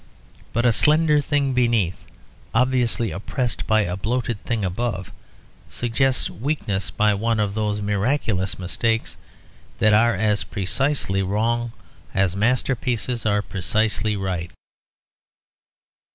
But a slender thing beneath, obviously oppressed by a bloated thing above, suggests weakness by one of those miraculous mistakes that are as precisely wrong as masterpieces are precisely right.